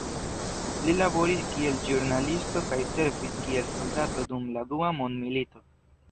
Li laboris kiel ĵurnalisto kaj servis kiel soldato dum la Dua mondmilito.